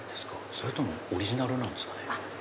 それともオリジナルなんですかね？